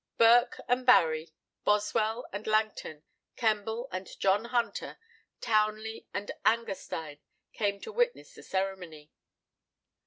Burke and Barry, Boswell and Langton, Kemble and John Hunter, Towneley and Angerstein came to witness the ceremony.